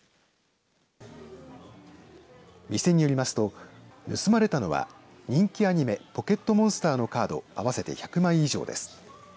店によりますと、盗まれたのは人気アニメポケットモンスターのカード合わせて１００枚以上です。